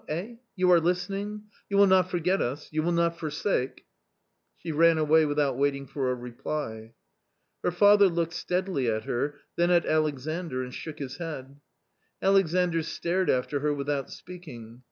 eh ? you are listening ? you will not forget us ? you will not forsake ?.... She ran away without waiting for a reply. Her father looked steadily at her, then at Alexandr, and shook his head. Alexandr stared after her without speaking.